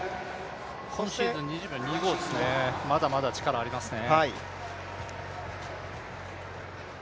今シーズン２０秒２５ですね、まだまだ力ありますね。